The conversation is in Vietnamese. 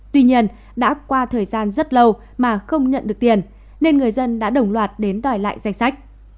tuy nhiên đã qua thời gian rất lâu mà không nhận được tiền nên người dân đã đồng loạt đến đòi lại danh sách